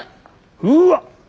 うわっ。